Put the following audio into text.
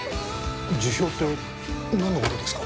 辞表ってなんの事ですか？